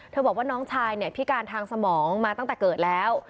บอกว่าน้องชายเนี่ยพิการทางสมองมาตั้งแต่เกิดแล้ว